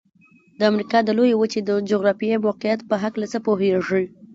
د امریکا د لویې وچې د جغرافيايي موقعیت په هلکه څه پوهیږئ؟